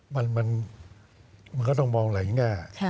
มันมันมันก็ต้องมองหลายแง่